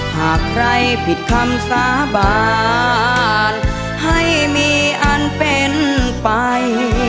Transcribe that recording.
หากใครผิดคำสาบานให้มีอันเป็นไป